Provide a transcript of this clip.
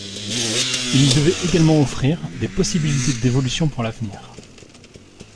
Il devait également offrir des possibilités d'évolution pour l'avenir.